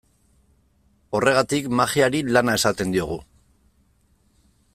Horregatik, magiari lana esaten diogu.